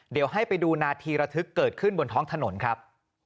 เดี๋ยวให้ไปดูนาทีระทึกเกิดขึ้นบนท้องถนนครับ